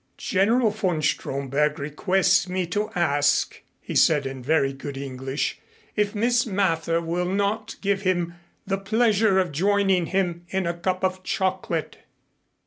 "General von Stromberg requests me to ask," he said in very good English, "if Miss Mather will not give him the pleasure of joining him in a cup of chocolate."